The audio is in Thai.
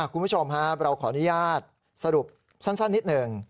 คุณผู้ชมครับเราขออนุญาตสรุปสั้นนิดหนึ่ง